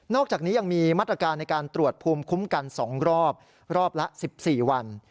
อกจากนี้ยังมีมาตรการในการตรวจภูมิคุ้มกัน๒รอบรอบละ๑๔วัน